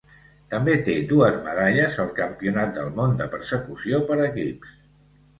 També té dues medalles al Campionat del món de Persecució per equips.